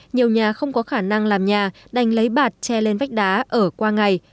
nhiều nhà không có khả năng làm nhà đành lấy bạt che lên vách đá ở qua ngày